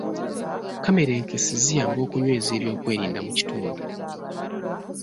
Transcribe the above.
Kamera enkessi ziyamba okunyweza eby'okwerinda mu kitundu.